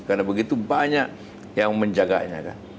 karena begitu banyak yang menjaganya